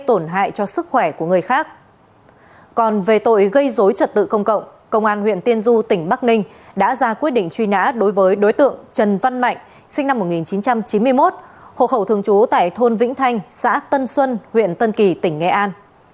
trần văn mạnh sinh năm một nghìn chín trăm chín mươi một hộ khẩu thường chú tại thôn vĩnh thanh xã tân xuân huyện tân kỳ tỉnh nghệ an